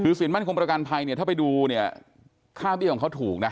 คือสินมั่นคงประกันภัยเนี่ยถ้าไปดูเนี่ยค่าเบี้ยของเขาถูกนะ